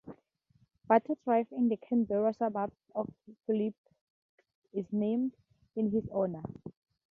Butters Drive in the Canberra suburb of Phillip is named in his honour.